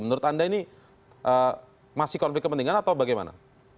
menurut anda ini masih konflik kepentingan atau bagaimana